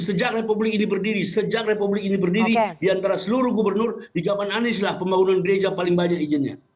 sejak republik ini berdiri sejak republik ini berdiri di antara seluruh gubernur di zaman anies lah pembangunan gereja paling banyak izinnya